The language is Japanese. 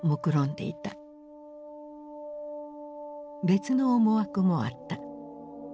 別の思惑もあった。